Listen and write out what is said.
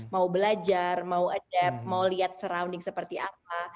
mau belajar mau adapt mau lihat surrounding seperti apa